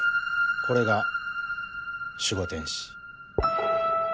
これが守護天使。